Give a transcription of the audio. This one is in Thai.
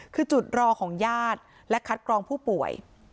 คือจุดรอของญาติและคัดกรองผู้ป่วย